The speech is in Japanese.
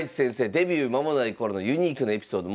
デビュー間もない頃のユニークなエピソード